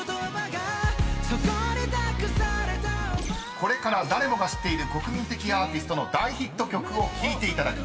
［これから誰もが知っている国民的アーティストの大ヒット曲を聴いていただきます］